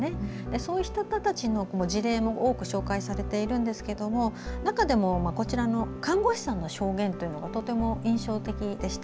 そうした人たちの事例も多く紹介されているんですけども中でもこちらの看護師さんの証言がとても印象的でした。